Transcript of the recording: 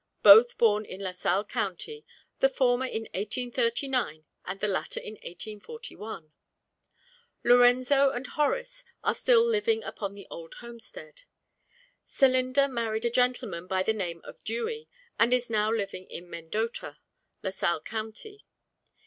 both born in La Salle county, the former in 1839 and the latter in 1841. Lorenzo and Horace are still living upon the old homestead. Celinda married a gentleman by the name of Dewey, and is now living in Mendota, La Salle county.